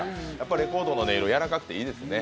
レコードの音色やわらかくていいですね。